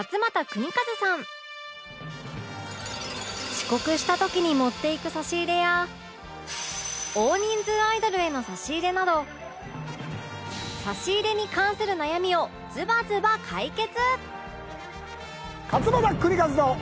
遅刻した時に持っていく差し入れや大人数アイドルへの差し入れなど差し入れに関する悩みをズバズバ解決！